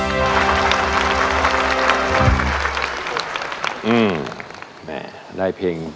อินโทรเพลงที่สองอันดับสอง